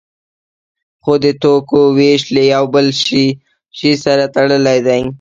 خو د توکو ویش له یو بل شی سره تړلی دی.